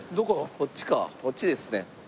こっちですね。